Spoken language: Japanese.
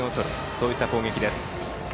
そういった攻撃です。